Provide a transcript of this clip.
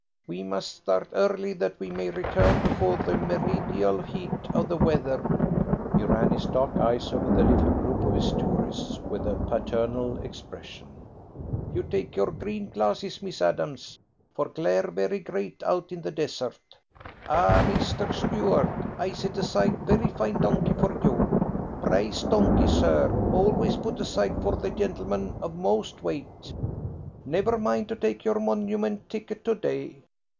"We must start early that we may return before the meridial heat of the weather." He ran his dark eyes over the little group of his tourists with a paternal expression. "You take your green glasses, Miss Adams, for glare very great out in the desert. Ah, Mr. Stuart, I set aside very fine donkey for you prize donkey, sir, always put aside for the gentleman of most weight. Never mind to take your monument ticket to day.